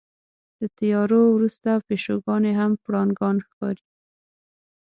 د تیارو وروسته پیشوګانې هم پړانګان ښکاري.